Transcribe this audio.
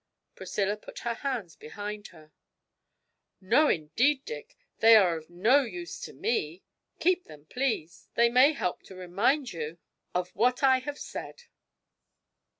Priscilla put her hands behind her: 'No, indeed, Dick, they are of no use to me. Keep them, please; they may help to remind you of what I have said.'